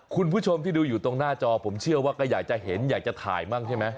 คุณผู้ชมที่ดูอยู่ตรงหน้าจอผมเชื่อว่าก็อยากจะเห็นอยากจะถ่ายบ้างใช่ไหม